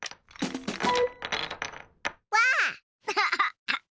わあ！